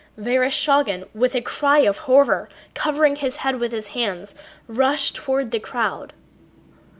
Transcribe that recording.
Vereshchágin with a cry of horror, covering his head with his hands, rushed toward the crowd.